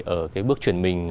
ở bước chuyển mình